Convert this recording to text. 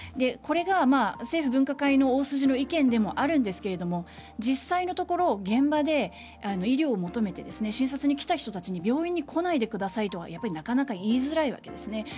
これが政府分科会の大筋の意見でもあるんですけども実際のところ現場で医療を求めて診察に来た人たちに病院に来ないでくださいとはなかなか言いづらいわけですね。